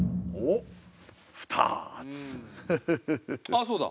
あそうだ